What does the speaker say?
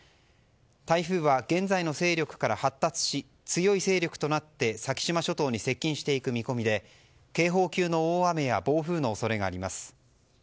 台風は現在の勢力から発達し強い勢力となって先島諸島に接近していく見込みで警報級の大雨や暴風雨の恐れがあります。